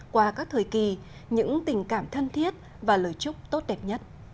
qua các thời kỳ những tình cảm thân thiết và lời chúc tốt đẹp nhất